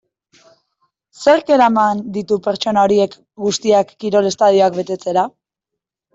Zerk eraman ditu pertsona horiek guztiak kirol estadioak betetzera?